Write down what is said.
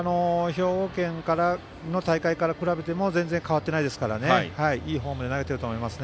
兵庫県の大会から比べても全然変わっていませんからいいフォームで投げていると思います。